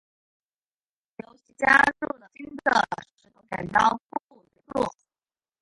游戏加入了新的石头剪刀布元素。